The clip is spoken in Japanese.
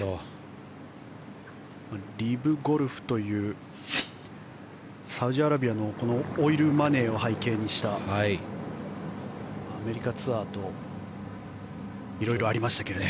リブゴルフというサウジアラビアのオイルマネーを背景にしたアメリカツアーといろいろありましたけども。